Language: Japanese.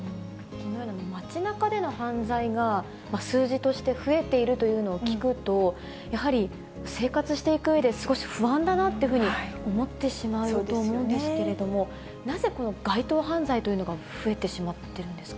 街なかでの犯罪が数字として増えているというのを聞くと、やはり生活していくうえで、少し不安だなというふうに思ってしまうと思うんですけれども、なぜこの街頭犯罪というのが増えてしまっているんですか？